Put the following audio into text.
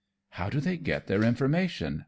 "How do they get their information ?"